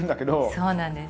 そうなんです。